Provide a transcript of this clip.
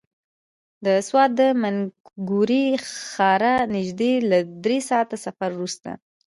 د سوات له مينګورې ښاره نژدې له دری ساعته سفر وروسته.